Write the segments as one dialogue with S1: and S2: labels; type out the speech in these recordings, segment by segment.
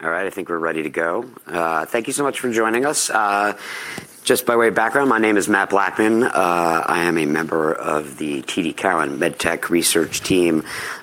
S1: All right. I think we're ready to go. Thank you so much for joining us. Just by way of background, my name is Matthew Blackman. I am a member of the TD Cowen MedTech research team.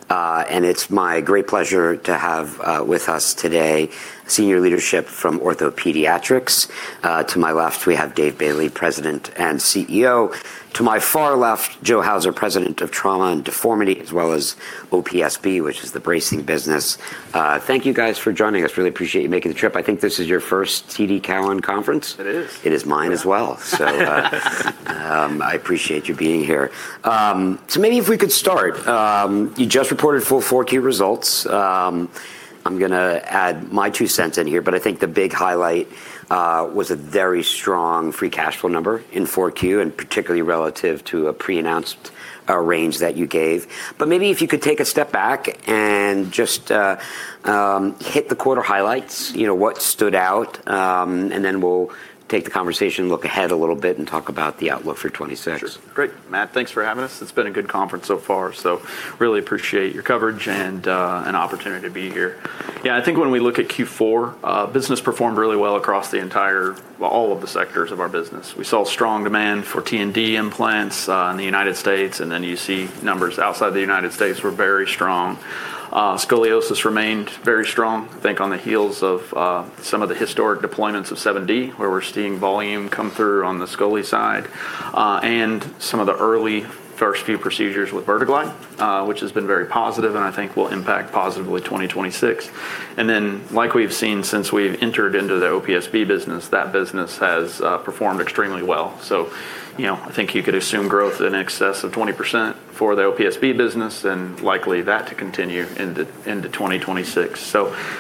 S1: It's my great pleasure to have with us today senior leadership from OrthoPediatrics. To my left, we have David Bailey, President and CEO. To my far left, Joe Hauser, President of Trauma and Deformity, as well as OPSB, which is the bracing business. Thank you guys for joining us. Really appreciate you making the trip. I think this is your first TD Cowen conference.
S2: It is.
S1: It is mine as well. I appreciate you being here. Maybe if we could start. You just reported full 4Q results. I'm gonna add my two cents in here, but I think the big highlight, was a very strong free cash flow number in 4Q, and particularly relative to a pre-announced, range that you gave. Maybe if you could take a step back and just, hit the quarter highlights, you know, what stood out, and then we'll take the conversation, look ahead a little bit, and talk about the outlook for 2026.
S2: Sure. Great. Matt, thanks for having us. It's been a good conference so far, really appreciate your coverage and an opportunity to be here. Yeah, I think when we look at Q4, business performed really well across all of the sectors of our business. We saw strong demand for T&D implants in the United States, you see numbers outside the United States were very strong. Scoliosis remained very strong, I think on the heels of some of the historic deployments of 7D, where we're seeing volume come through on the scoli side, and some of the early first few procedures with VerteGlide, which has been very positive and I think will impact positively 2026. Like we've seen since we've entered into the OPSB business, that business has performed extremely well. You know, I think you could assume growth in excess of 20% for the OPSB business and likely that to continue into 2026.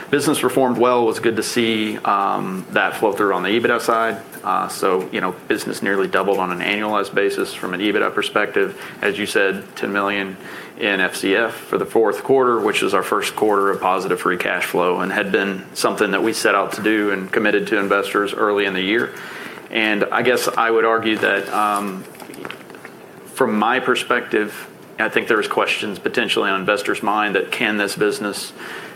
S2: Business performed well. It was good to see that flow through on the EBITDA side. You know, business nearly doubled on an annualized basis from an EBITDA perspective. As you said, $10 million in FCF for the fourth quarter, which is our first quarter of positive free cash flow and had been something that we set out to do and committed to investors early in the year. I guess I would argue that, from my perspective, I think there's questions potentially on investors' mind that can this business,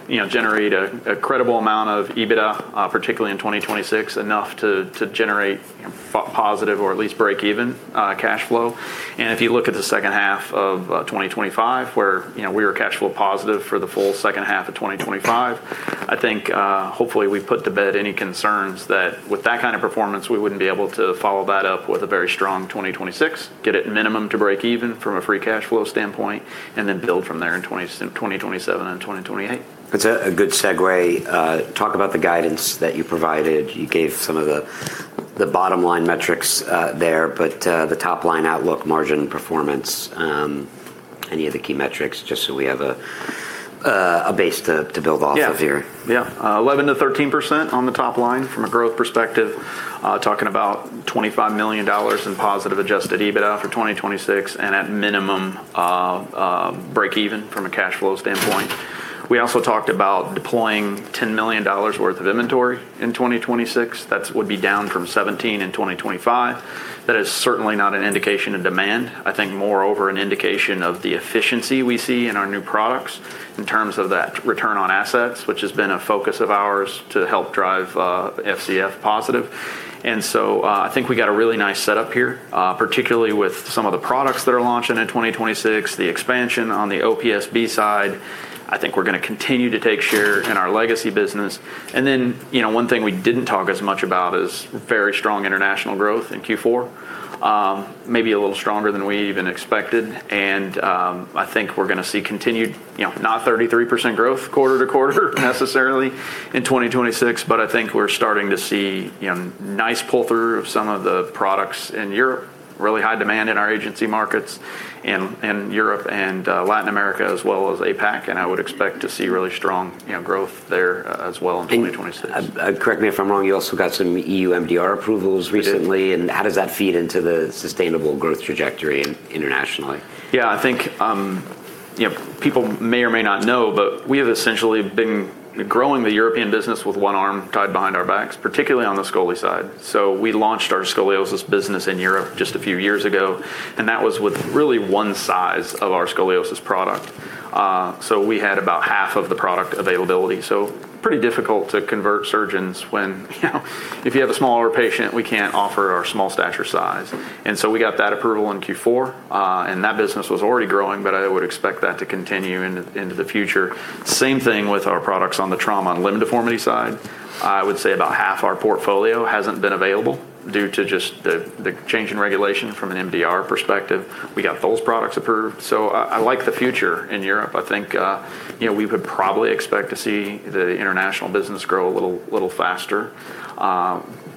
S2: you know, generate a credible amount of EBITDA, particularly in 2026, enough to generate positive or at least break even cash flow. If you look at the second half of 2025, where, you know, we were cash flow positive for the full second half of 2025, I think, hopefully we put to bed any concerns that with that kind of performance, we wouldn't be able to follow that up with a very strong 2026, get it minimum to break even from a free cash flow standpoint, and then build from there in 2027 and 2028.
S1: That's a good segue. Talk about the guidance that you provided. You gave some of the bottom line metrics, there, but, the top-line outlook, margin performance, any of the key metrics, just so we have a base to build off of here.
S2: Yeah. Yeah. 11%-13% on the top line from a growth perspective, talking about $25 million in positive adjusted EBITDA for 2026 and at minimum, break even from a cash flow standpoint. We also talked about deploying $10 million worth of inventory in 2026. That would be down from $17 million in 2025. That is certainly not an indication of demand. I think more over an indication of the efficiency we see in our new products in terms of that return on assets, which has been a focus of ours to help drive FCF positive. I think we got a really nice setup here, particularly with some of the products that are launching in 2026, the expansion on the OPSB side. I think we're gonna continue to take share in our legacy business. You know, one thing we didn't talk as much about is very strong international growth in Q4. Maybe a little stronger than we even expected. I think we're gonna see continued, you know, not 33% growth quarter to quarter necessarily in 2026, but I think we're starting to see, you know, nice pull through of some of the products in Europe, really high demand in our agency markets in Europe and Latin America as well as APAC. I would expect to see really strong, you know, growth there as well in 2026.
S1: Correct me if I'm wrong, you also got some EU MDR approvals recently.
S2: We did.
S1: How does that feed into the sustainable growth trajectory internationally?
S2: I think, you know, people may or may not know, but we have essentially been growing the European business with one arm tied behind our backs, particularly on the scoli side. We launched our scoliosis business in Europe just a few years ago, and that was with really one size of our scoliosis product. We had about half of the product availability. Pretty difficult to convert surgeons when, you know, if you have a smaller patient, we can't offer our small stature size. We got that approval in Q4, and that business was already growing, but I would expect that to continue into the future. Same thing with our products on the trauma and limb deformity side. I would say about half our portfolio hasn't been available due to just the change in regulation from an MDR perspective. We got those products approved. I like the future in Europe. I think, you know, we would probably expect to see the international business grow a little faster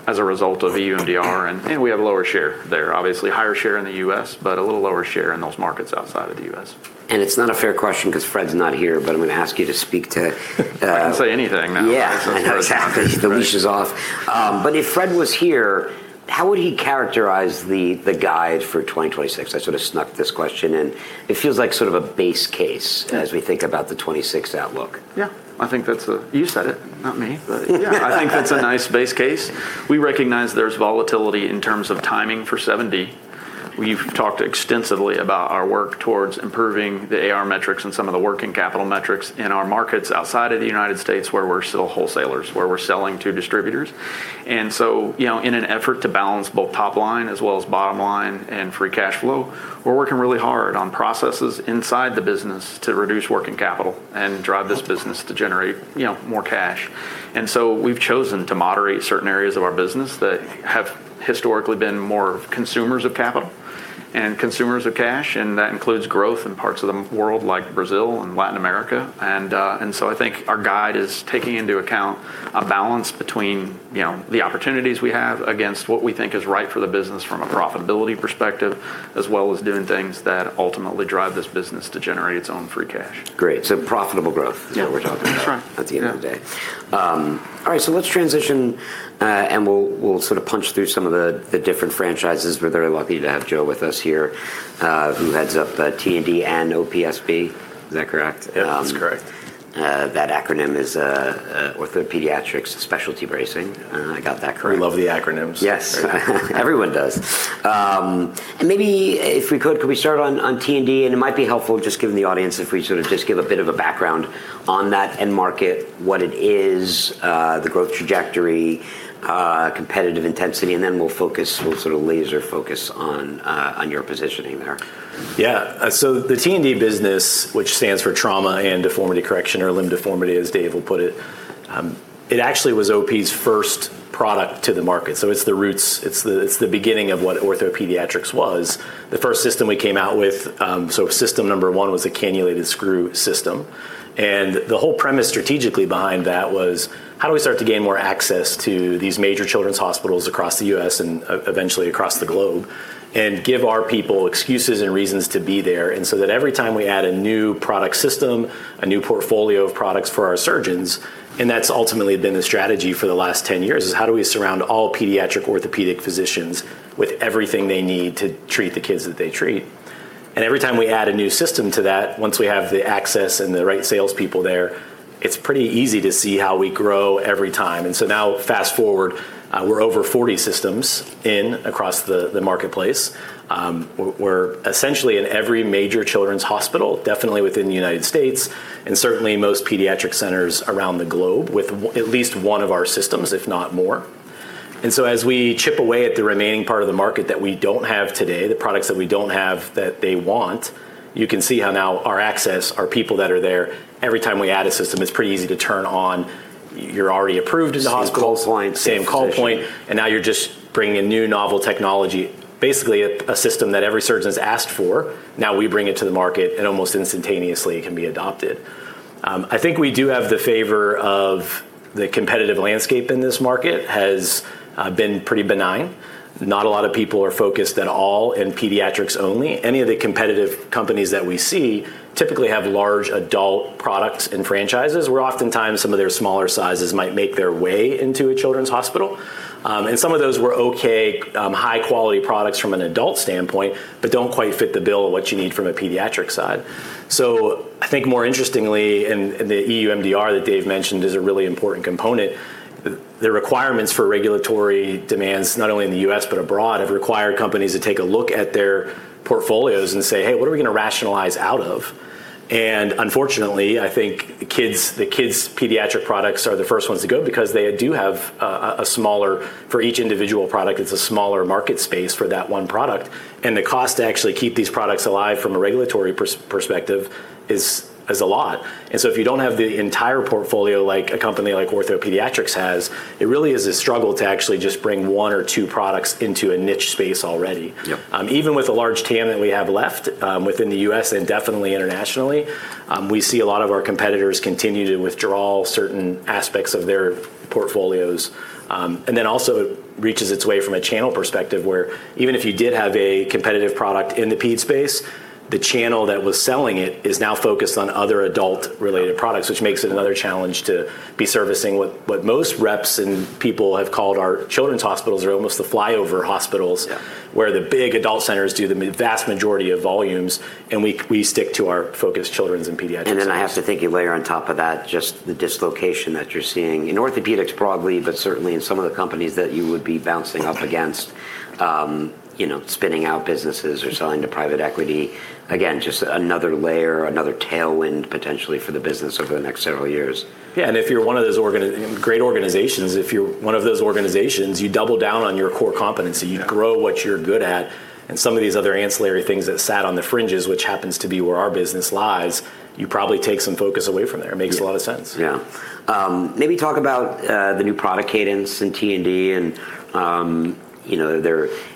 S2: as a result of EU MDR and we have lower share there. Obviously, higher share in the US, but a little lower share in those markets outside of the US.
S1: It's not a fair question 'cause Fred's not here, but I'm gonna ask you to speak to.
S2: I can say anything now.
S1: Yeah. I know. Exactly. The leash is off. If Fred was here, how would he characterize the guide for 2026? I sort of snuck this question in. It feels like sort of a base case...
S2: Yeah...
S1: as we think about the 2026 outlook.
S2: Yeah. I think that's. You said it, not me. Yeah, I think that's a nice base case. We recognize there's volatility in terms of timing for 7D. We've talked extensively about our work towards improving the AR metrics and some of the working capital metrics in our markets outside of the United States where we're still wholesalers, where we're selling to distributors. You know, in an effort to balance both top line as well as bottom line and free cash flow, we're working really hard on processes inside the business to reduce working capital and drive this business to generate, you know, more cash. We've chosen to moderate certain areas of our business that have historically been more consumers of capital and consumers of cash, and that includes growth in parts of the world like Brazil and Latin America. I think our guide is taking into account a balance between, you know, the opportunities we have against what we think is right for the business from a profitability perspective, as well as doing things that ultimately drive this business to generate its own free cash.
S1: Great.
S3: Yeah
S2: is what we're talking about.
S3: That's right....
S1: at the end of the day. All right, let's transition, and we'll sort of punch through some of the different franchises. We're very lucky to have Joe with us here, who heads up T&D and OPSB. Is that correct?
S3: Yeah, that's correct.
S1: That acronym is OrthoPediatrics Specialty Bracing. I got that correct.
S3: We love the acronyms.
S1: Yes. Everyone does. Maybe if we could we start on T&D? It might be helpful just giving the audience if we sort of just give a bit of a background on that end market, what it is, the growth trajectory, competitive intensity. Then we'll sort of laser focus on your positioning there.
S3: Yeah. The T&D business, which stands for Trauma and Deformity Correction, or limb deformity, as Dave will put it actually was OP's first product to the market, so it's the roots. It's the beginning of what OrthoPediatrics was. The first system we came out with, system 1 was a Cannulated Screw System. The whole premise strategically behind that was, how do we start to gain more access to these major children's hospitals across the U.S. and eventually across the globe and give our people excuses and reasons to be there? That every time we add a new product system, a new portfolio of products for our surgeons, and that's ultimately been the strategy for the last 10 years, is how do we surround all pediatric orthopedic physicians with everything they need to treat the kids that they treat? Every time we add a new system to that, once we have the access and the right salespeople there, it's pretty easy to see how we grow every time. Now fast-forward, we're over 40 systems in across the marketplace. We're essentially in every major children's hospital, definitely within the United States, and certainly most pediatric centers around the globe with at least one of our systems, if not more. As we chip away at the remaining part of the market that we don't have today, the products that we don't have that they want, you can see how now our access, our people that are there, every time we add a system, it's pretty easy to turn on. You're already approved in the hospital.
S1: Same call point, same physician.
S3: Same call point, now you're just bringing a new novel technology. Basically a system that every surgeon's asked for, now we bring it to the market and almost instantaneously it can be adopted. I think we do have the favor of the competitive landscape in this market has been pretty benign. Not a lot of people are focused at all in pediatrics only. Any of the competitive companies that we see typically have large adult products and franchises, where oftentimes some of their smaller sizes might make their way into a children's hospital. Some of those were okay, high quality products from an adult standpoint, but don't quite fit the bill of what you need from a pediatric side. I think more interestingly, and the EU MDR that Dave mentioned is a really important component, the requirements for regulatory demands, not only in the U.S. but abroad, have required companies to take a look at their portfolios and say, "Hey, what are we gonna rationalize out of?" Unfortunately, I think the kids, the kids' pediatric products are the first ones to go because they do have a smaller... for each individual product, it's a smaller market space for that one product. The cost to actually keep these products alive from a regulatory perspective is a lot. If you don't have the entire portfolio like a company like OrthoPediatrics has, it really is a struggle to actually just bring one or two products into a niche space already.
S1: Yep.
S3: Even with the large TAM that we have left, within the U.S. and definitely internationally, we see a lot of our competitors continue to withdraw certain aspects of their portfolios. Also it reaches its way from a channel perspective, where even if you did have a competitive product in the ped space, the channel that was selling it is now focused on other adult related products, which makes it another challenge to be servicing what most reps and people have called our children's hospitals or almost the flyover hospitals...
S1: Yeah...
S3: where the big adult centers do the vast majority of volumes, and we stick to our focused children's and pediatric centers.
S1: I have to think you layer on top of that just the dislocation that you're seeing in orthopedics broadly, but certainly in some of the companies that you would be bouncing up against, you know, spinning out businesses or selling to private equity. Just another layer, another tailwind potentially for the business over the next several years.
S3: Yeah, if you're one of those great organizations, if you're one of those organizations, you double down on your core competency.
S1: Yeah.
S3: You grow what you're good at, and some of these other ancillary things that sat on the fringes, which happens to be where our business lies, you probably take some focus away from there.
S1: Yeah.
S3: Makes a lot of sense.
S1: Maybe talk about the new product cadence in T&D, you know,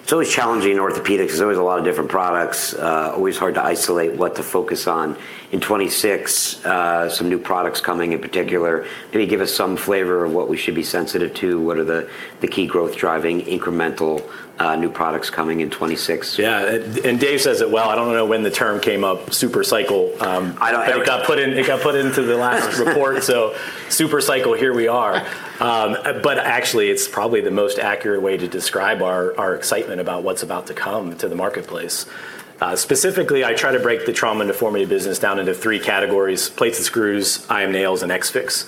S1: It's always challenging in orthopedics. There's always a lot of different products, always hard to isolate what to focus on. In 2026, some new products coming in particular. Can you give us some flavor of what we should be sensitive to? What are the key growth driving incremental new products coming in 2026?
S3: Yeah. Dave says it well. I don't know when the term came up, super cycle.
S1: I don't either....
S3: it got put in, it got put into the last report. Super cycle, here we are. Actually it's probably the most accurate way to describe our excitement about what's about to come to the marketplace. Specifically, I try to break the Trauma and Deformity business down into three categories: Plates and Screws, IM nails, and XFIX.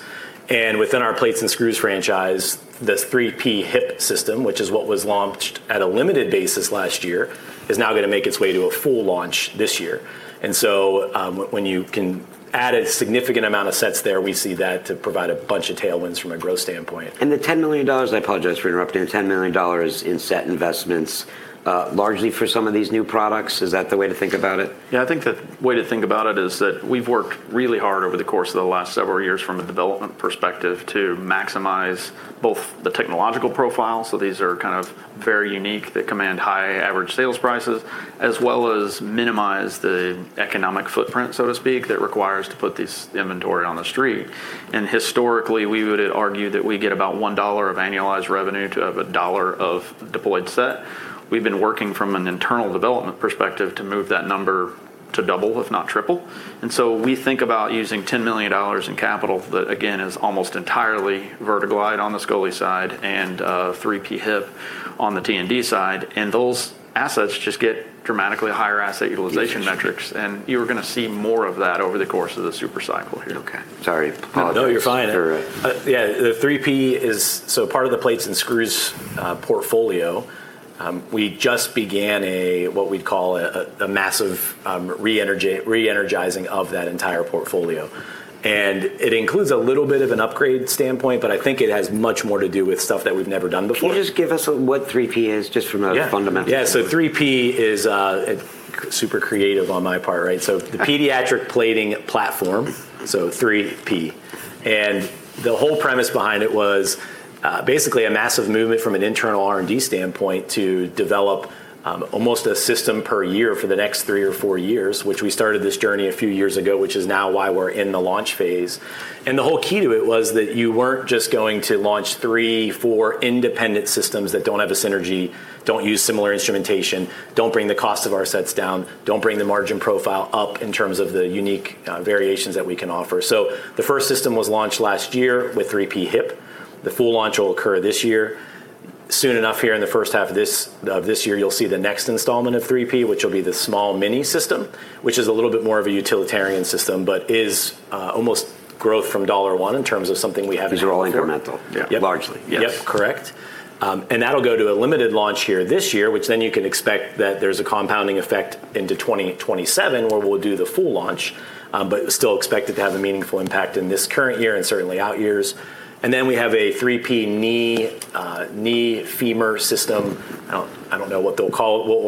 S3: Within our Plates and Screws franchise, the 3P Hip System, which is what was launched at a limited basis last year, is now gonna make its way to a full launch this year. When you can add a significant amount of sets there, we see that to provide a bunch of tailwinds from a growth standpoint.
S1: The $10 million, I apologize for interrupting, the $10 million in set investments, largely for some of these new products, is that the way to think about it?
S2: I think the way to think about it is that we've worked really hard over the course of the last several years from a development perspective to maximize both the technological profile, so these are kind of very unique. They command high average sales prices as well as minimize the economic footprint, so to speak, that requires to put this inventory on the street. Historically, we would argue that we get about $1 of annualized revenue to have $1 of deployed set. We've been working from an internal development perspective to move that number to double, if not triple. So we think about using $10 million in capital that again, is almost entirely VerteGlide on the scoli side and 3P hip on the T&D side. Those assets just get dramatically higher asset utilization metrics.
S1: Yes.
S2: You are gonna see more of that over the course of the super cycle here.
S1: Okay. Sorry. Apologize.
S3: No, no, you're fine.
S1: You're all right.
S3: Yeah, the 3P is so part of the Plates and Screws portfolio. We just began what we'd call a massive reenergizing of that entire portfolio. It includes a little bit of an upgrade standpoint, but I think it has much more to do with stuff that we've never done before.
S1: Can you just give us what 3P is?
S3: Yeah...
S1: fundamental.
S3: Yeah. 3P is super creative on my part, right? The Pediatric Plating Platform so 3P and the whole premise behind it was basically a massive movement from an internal R&D standpoint to develop almost a system per year for the next three or four years, which we started this journey a few years ago, which is now why we're in the launch phase. The whole key to it was that you weren't just going to launch three, four independent systems that don't have a synergy, don't use similar instrumentation, don't bring the cost of our sets down, don't bring the margin profile up in terms of the unique variations that we can offer. The first system was launched last year with 3P hip. The full launch will occur this year. Soon enough, here in the first half of this year, you'll see the next installment of 3P, which will be the Small-Mini System, which is a little bit more of a utilitarian system, but is almost growth from $1 in terms of something we have.
S1: These are all incremental.
S3: Yeah.
S1: Largely.
S3: Yep.
S1: Yes.
S3: Correct. That'll go to a limited launch here this year, which then you can expect that there's a compounding effect into 2027, where we'll do the full launch. Still expected to have a meaningful impact in this current year and certainly out years. Then we have a 3P Knee/Femur system. I don't know what we'll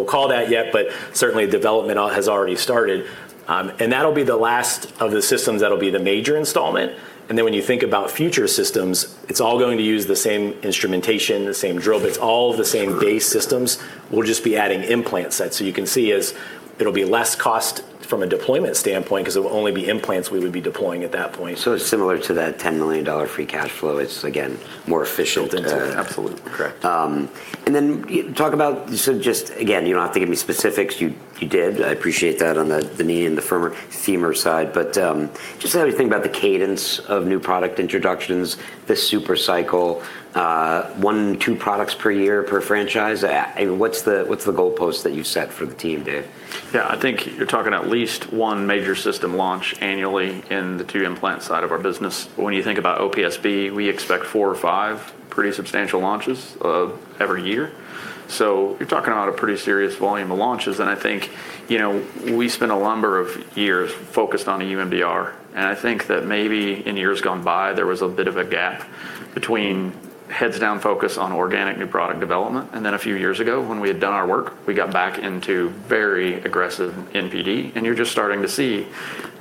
S3: call that yet. Certainly development has already started. That'll be the last of the systems that'll be the major installment. Then when you think about future systems, it's all going to use the same instrumentation, the same drill bits, all the same base systems. We'll just be adding implant sets. You can see is it'll be less cost from a deployment standpoint 'cause it will only be implants we would be deploying at that point.
S1: Similar to that $10 million free cash flow, it's again, more efficient.
S3: Built into it. Absolutely. Correct.
S1: Talk about so just again, you don't have to give me specifics. You did. I appreciate that on the knee and the femur side. Just how do you think about the cadence of new product introductions, the super cycle, one, two products per year per franchise? What's the goalpost that you set for the team, Dave?
S2: I think you're talking at least 1 major system launch annually in the 2 implant side of our business. When you think about OPSB, we expect four or five pretty substantial launches of every year. You're talking about a pretty serious volume of launches. I think, you know, we spent a number of years focused on EU MDR, and I think that maybe in years gone by, there was a bit of a gap between heads down focus on organic new product development. Then a few years ago, when we had done our work, we got back into very aggressive NPD. You're just starting to see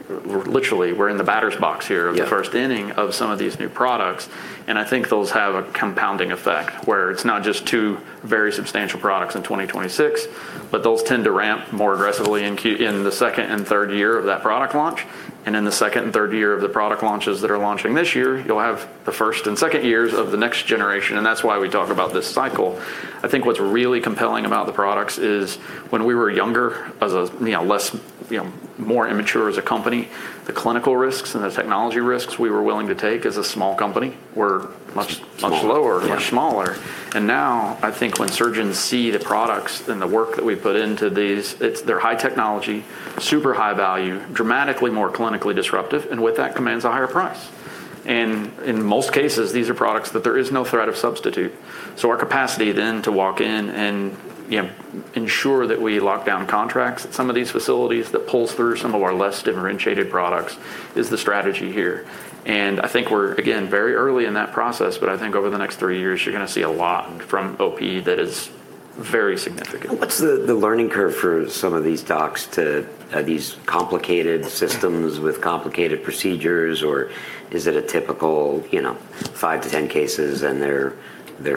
S2: literally we're in the batter's box here.
S1: Yeah...
S2: of the first inning of some of these new products. I think those have a compounding effect where it's not just two very substantial products in 2026, but those tend to ramp more aggressively in the second and third year of that product launch. In the second and third year of the product launches that are launching this year, you'll have the first and second years of the next generation. That's why we talk about this cycle. I think what's really compelling about the products is when we were younger, as a, you know, less, you know, more immature as a company, the clinical risks and the technology risks we were willing to take as a small company were much lower...
S1: Small. Yeah.
S2: much smaller. Now, I think when surgeons see the products and the work that we put into these, they're high technology, super high value, dramatically more clinically disruptive, and with that commands a higher price. In most cases, these are products that there is no threat of substitute. Our capacity then to walk in and, you know, ensure that we lock down contracts at some of these facilities that pulls through some of our less differentiated products is the strategy here. I think we're again, very early in that process, but I think over the next three years you're gonna see a lot from OP that is very significant.
S1: What's the learning curve for some of these docs to these complicated systems with complicated procedures, or is it a typical, you know, five to 10 cases and they're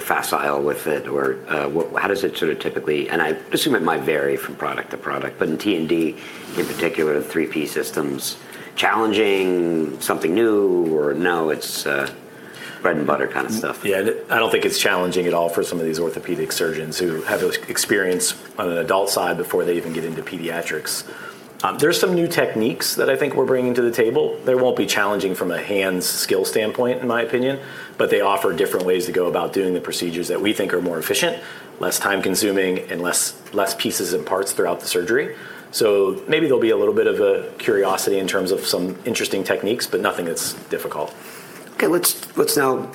S1: facile with it? Or how does it sort of typically, and I assume it might vary from product to product, but in T&D in particular, the 3P system's challenging something new or no, it's bread and butter kind of stuff?
S3: I don't think it's challenging at all for some of these orthopedic surgeons who have experience on an adult side before they even get into pediatrics. There's some new techniques that I think we're bringing to the table. They won't be challenging from a hands skill standpoint, in my opinion, but they offer different ways to go about doing the procedures that we think are more efficient, less time consuming, and less pieces and parts throughout the surgery. Maybe there'll be a little bit of a curiosity in terms of some interesting techniques, but nothing that's difficult.
S1: Okay, let's now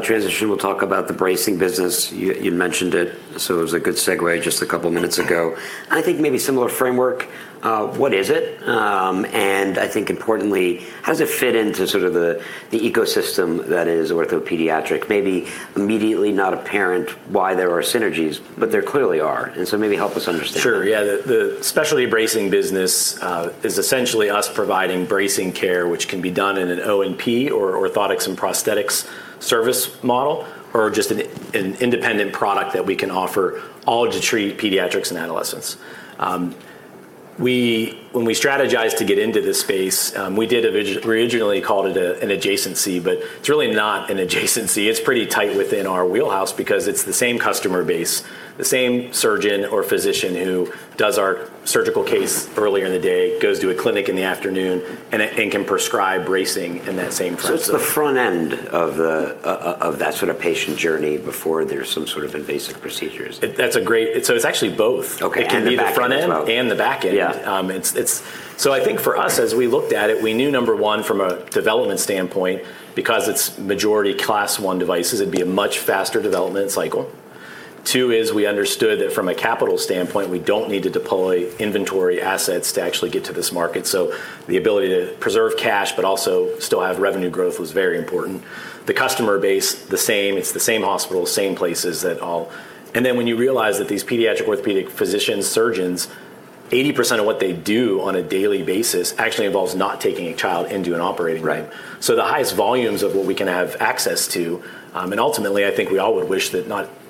S1: transition. We'll talk about the bracing business. You mentioned it, so it was a good segue just a couple minutes ago. I think maybe similar framework. What is it? I think importantly, how does it fit into sort of the ecosystem that is OrthoPediatrics? Maybe immediately not apparent why there are synergies, but there clearly are. Maybe help us understand.
S3: Sure, yeah. The specialty bracing business is essentially us providing bracing care, which can be done in an O&P or orthotics and prosthetics service model or just an independent product that we can offer all to treat pediatrics and adolescents. When we strategized to get into this space, we did originally called it an adjacency, but it's really not an adjacency. It's pretty tight within our wheelhouse because it's the same customer base, the same surgeon or physician who does our surgical case earlier in the day, goes to a clinic in the afternoon and can prescribe bracing in that same front.
S1: It's the front end of that sort of patient journey before there's some sort of invasive procedures.
S3: It's actually both.
S1: Okay. The back end as well.
S3: The front end and the back end.
S1: Yeah.
S3: I think for us, as we looked at it, we knew number one, from a development standpoint, because it's majority Class I devices, it'd be a much faster development cycle. Two is we understood that from a capital standpoint, we don't need to deploy inventory assets to actually get to this market. The ability to preserve cash, but also still have revenue growth was very important. The customer base, the same. It's the same hospital, same places that all. When you realize that these pediatric orthopedic physicians, surgeons, 80% of what they do on a daily basis actually involves not taking a child into an operating room.
S1: Right.
S3: The highest volumes of what we can have access to, ultimately, I think we all would wish that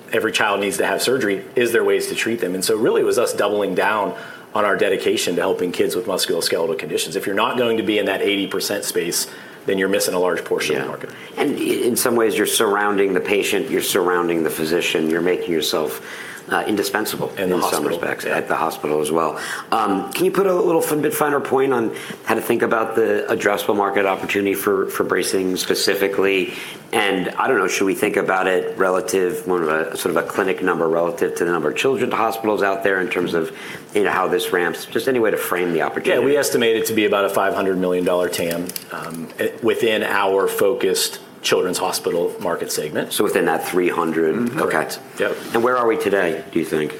S3: not every child needs to have surgery, is there ways to treat them. Really it was us doubling down on our dedication to helping kids with musculoskeletal conditions. If you're not going to be in that 80% space, then you're missing a large portion of the market.
S1: Yeah. In some ways, you're surrounding the patient, you're surrounding the physician, you're making yourself indispensable.
S3: The hospital.
S1: ...in some respects. At the hospital as well. Can you put a little finer point on how to think about the addressable market opportunity for bracing specifically? I don't know, should we think about it relative, more of a, sort of a clinic number relative to the number of children hospitals out there in terms of, you know, how this ramps? Just any way to frame the opportunity.
S3: Yeah. We estimate it to be about a $500 million TAM within our focused children's hospital market segment.
S1: Within that $300.
S3: Mm-hmm.
S1: Okay.
S3: Yep.
S1: Where are we today, do you think?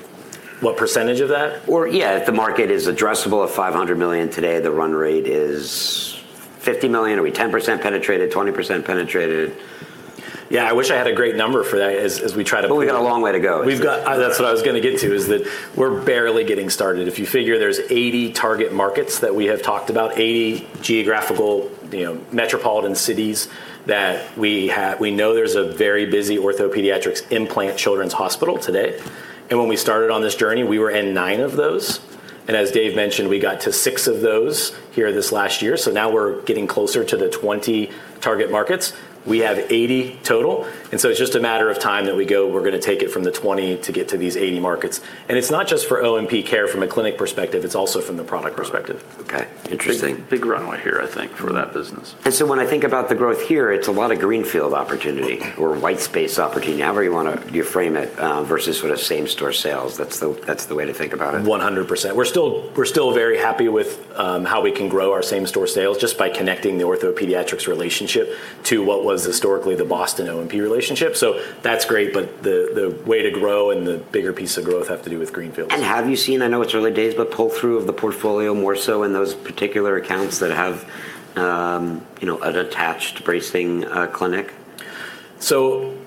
S3: What percentage of that?
S1: Yeah, if the market is addressable of $500 million today, the run rate is $50 million. Are we 10% penetrated, 20% penetrated?
S3: Yeah, I wish I had a great number for that as we try to.
S1: We got a long way to go.
S3: That's what I was gonna get to, is that we're barely getting started. If you figure there's 80 target markets that we have talked about, 80 geographical, you know, metropolitan cities that we know there's a very busy OrthoPediatrics implant children's hospital today. When we started on this journey, we were in nine of those. As Dave mentioned, we got to six of those here this last year. Now we're getting closer to the 20 target markets. We have 80 total, it's just a matter of time that we're gonna take it from the 20 to get to these 80 markets. It's not just for O&P care from a clinic perspective, it's also from the product perspective.
S1: Okay. Interesting.
S2: Big, big runway here, I think, for that business.
S1: When I think about the growth here, it's a lot of greenfield opportunity or white space opportunity, however you wanna reframe it, versus sort of same store sales. That's the way to think about it.
S3: 100%. We're still very happy with how we can grow our same store sales just by connecting the OrthoPediatrics relationship to what was historically the Boston O&P relationship. That's great, the way to grow and the bigger piece of growth have to do with greenfields.
S1: Have you seen, I know it's early days, but pull through of the portfolio more so in those particular accounts that have, you know, an attached bracing, clinic?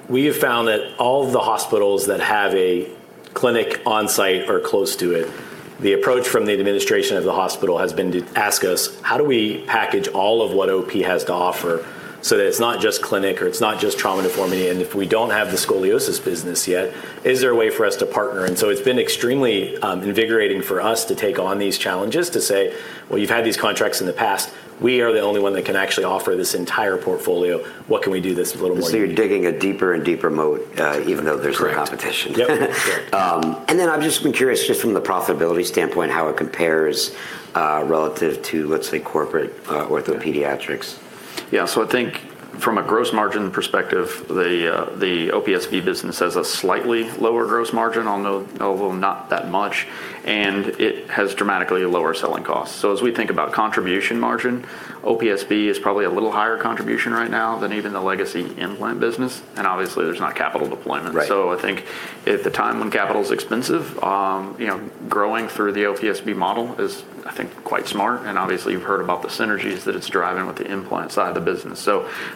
S3: We have found that all the hospitals that have a clinic on-site or close to it, the approach from the administration of the hospital has been to ask us, "How do we package all of what OP has to offer so that it's not just clinic or it's not just Trauma and Deformity? If we don't have the Scoliosis business yet, is there a way for us to partner?" It's been extremely invigorating for us to take on these challenges to say, "Well, you've had these contracts in the past. We are the only one that can actually offer this entire portfolio. What can we do this a little more unique?
S1: You're digging a deeper and deeper moat, even though there's competition.
S3: Correct. Yep.
S1: I've just been curious, just from the profitability standpoint, how it compares, relative to, let's say, corporate, OrthoPediatrics.
S2: I think from a gross margin perspective, the OPSB business has a slightly lower gross margin, although not that much, and it has dramatically lower selling costs. As we think about contribution margin, OPSB is probably a little higher contribution right now than even the legacy implant business, and obviously, there's not capital deployment.
S1: Right.
S2: I think at the time when capital is expensive, you know, growing through the OPSB model is, I think, quite smart, and obviously, you've heard about the synergies that it's driving with the implant side of the business.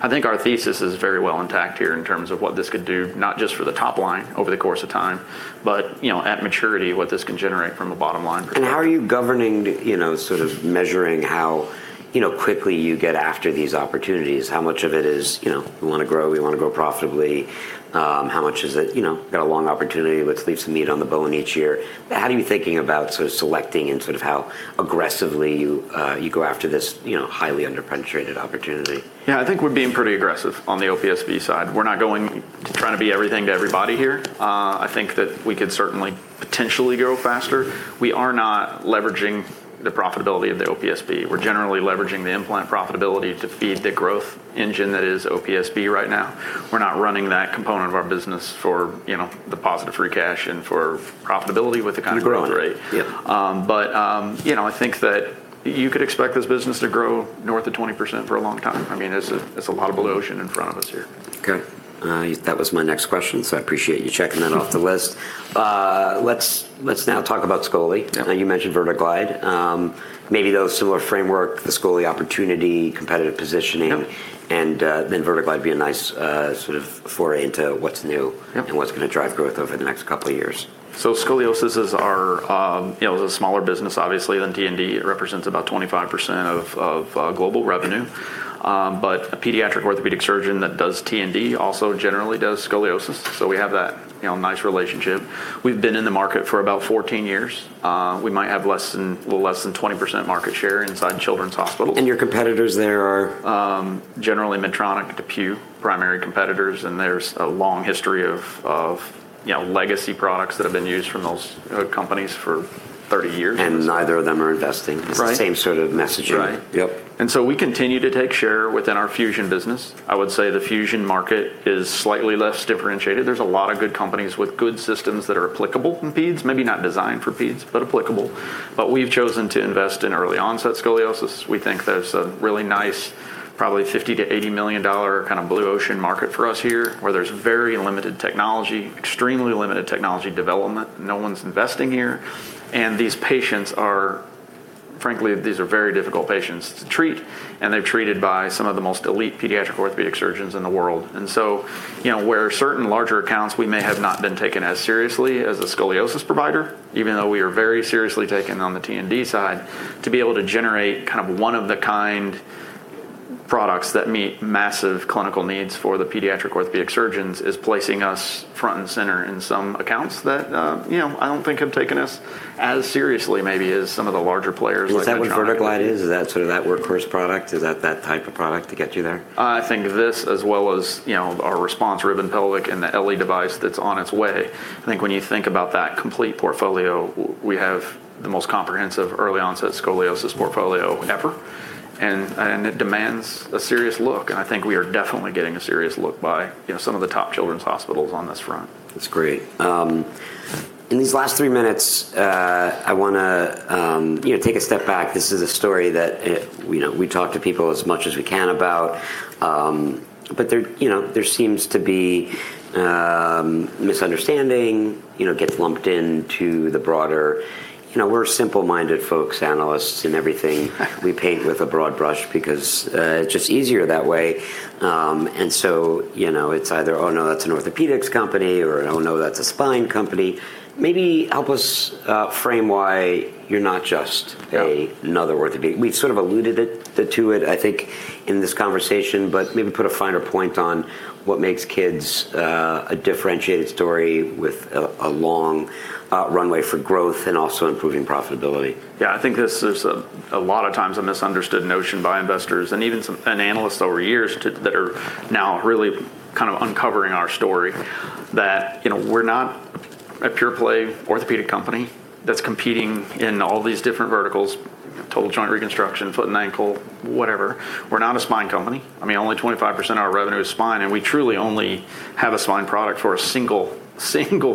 S2: I think our thesis is very well intact here in terms of what this could do, not just for the top line over the course of time, but you know, at maturity, what this can generate from a bottom line perspective.
S1: How are you governing, you know, sort of measuring how, you know, quickly you get after these opportunities? How much of it is, you know, we wanna grow, we wanna grow profitably? How much is it, you know, got a long opportunity, let's leave some meat on the bone each year? How are you thinking about sort of selecting and sort of how aggressively you go after this, you know, highly underpenetrated opportunity?
S2: Yeah, I think we're being pretty aggressive on the OPSB side. We're not going to try to be everything to everybody here. I think that we could certainly potentially grow faster. We are not leveraging the profitability of the OPSB. We're generally leveraging the implant profitability to feed the growth engine that is OPSB right now. We're not running that component of our business for, you know, the positive free cash and for profitability with the kind of growth rate.
S1: Yeah.
S2: You know, I think that you could expect this business to grow north of 20% for a long time. I mean, it's a, it's a lot of blue ocean in front of us here.
S1: Okay. That was my next question, so I appreciate you checking that off the list. Let's now talk about Scoliosis.
S2: Yeah.
S1: You mentioned VerteGlide. Maybe though similar framework, the Scoliosis opportunity, competitive positioning...
S2: Yeah...
S1: VerteGlide would be a nice, sort of foray into what's new.
S2: Yeah
S1: What's gonna drive growth over the next couple of years.
S2: Scoliosis is our, you know, the smaller business obviously than T&D. It represents about 25% of global revenue. A pediatric orthopedic surgeon that does T&D also generally does scoliosis, so we have that, you know, nice relationship. We've been in the market for about 14 years. We might have less than 20% market share inside Children's Hospital.
S1: Your competitors there are?
S2: Generally Medtronic, DePuy, primary competitors, and there's a long history of, you know, legacy products that have been used from those companies for 30 years.
S1: Neither of them are investing.
S2: Right.
S1: It's the same sort of messaging.
S2: Right.
S1: Yep.
S2: We continue to take share within our fusion business. I would say the fusion market is slightly less differentiated. There's a lot of good companies with good systems that are applicable in pedes, maybe not designed for pedes, but applicable. But we've chosen to invest in early onset scoliosis. We think there's a really nice probably $50 million-$80 million kind of blue ocean market for us here, where there's very limited technology, extremely limited technology development. No one's investing here. And these patients are, frankly, these are very difficult patients to treat, and they're treated by some of the most elite pediatric orthopedic surgeons in the world. You know, where certain larger accounts, we may have not been taken as seriously as a scoliosis provider, even though we are very seriously taken on the T&D side, to be able to generate kind of one of the kind products that meet massive clinical needs for the pediatric orthopedic surgeons is placing us front and center in some accounts that, you know, I don't think have taken us as seriously maybe as some of the larger players like Medtronic.
S1: Is that what VerteGlide is? Is that sort of that workhorse product? Is that that type of product to get you there?
S2: I think this as well as, you know, our RESPONSE Rib and Pelvic and the LE device that's on its way. I think when you think about that complete portfolio, we have the most comprehensive early onset scoliosis portfolio ever. It demands a serious look, and I think we are definitely getting a serious look by, you know, some of the top children's hospitals on this front.
S1: That's great. In these last three minutes, I wanna, you know, take a step back. This is a story that we know, we talk to people as much as we can about. There, you know, there seems to be misunderstanding, you know, gets lumped into the broader... You know, we're simple-minded folks, analysts, and everything. We paint with a broad brush because it's just easier that way. You know, it's either, "Oh, no, that's an orthopedics company," or, "Oh, no, that's a spine company." Maybe help us frame why you're not just a-
S2: Yeah...
S1: another orthopedic. We've sort of alluded it, to it, I think, in this conversation. Maybe put a finer point on what makes kids, a differentiated story with a long runway for growth and also improving profitability.
S2: I think this is a lot of times a misunderstood notion by investors and even some and analysts over years to that are now really kind of uncovering our story that, you know, we're not a pure play orthopedic company that's competing in all these different verticals, total joint reconstruction, foot and ankle, whatever. We're not a spine company. I mean, only 25% of our revenue is spine, and we truly only have a spine product for a single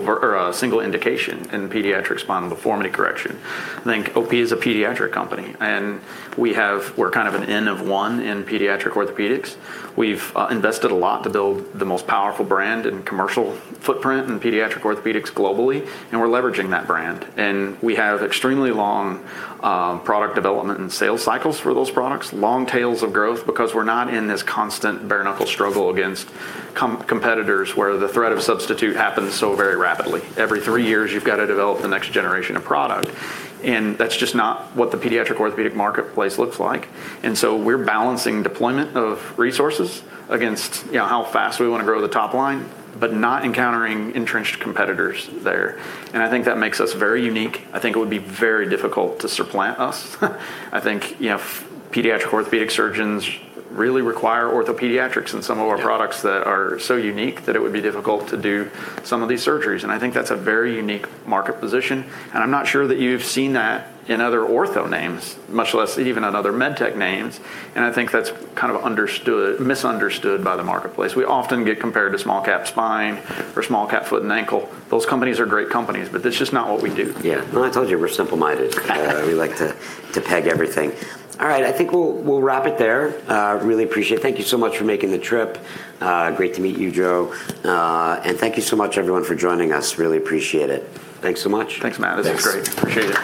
S2: or a single indication in pediatric spine deformity correction. I think OP is a pediatric company, and we're kind of an N of one in pediatric orthopedics. We've invested a lot to build the most powerful brand and commercial footprint in pediatric orthopedics globally, and we're leveraging that brand. We have extremely long, product development and sales cycles for those products, long tails of growth because we're not in this constant bare knuckle struggle against competitors where the threat of substitute happens so very rapidly. Every three years, you've got to develop the next generation of product. That's just not what the pediatric orthopedic marketplace looks like. We're balancing deployment of resources against, you know, how fast we wanna grow the top line, but not encountering entrenched competitors there. I think that makes us very unique. I think it would be very difficult to supplant us. I think, you know, pediatric orthopedic surgeons really require OrthoPediatrics and some of our products that are so unique that it would be difficult to do some of these surgeries. I think that's a very unique market position, and I'm not sure that you've seen that in other ortho names, much less even in other MedTech names. I think that's kind of misunderstood by the marketplace. We often get compared to small cap spine or small cap foot and ankle. Those companies are great companies, but that's just not what we do.
S1: Yeah. Well, I told you we're simple-minded. We like to peg everything. All right. I think we'll wrap it there. Really appreciate. Thank you so much for making the trip. Great to meet you, Joe. Thank you so much everyone for joining us. Really appreciate it. Thanks so much.
S2: Thanks, Matt.
S1: Thanks.
S2: This was great. Appreciate it.